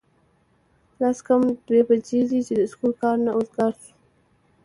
لس کم دوه بجې وې چې د سکول کار نه اوزګار شو